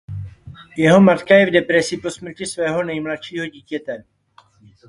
Jeho matka je v depresi po smrti svého nejmladšího dítěte.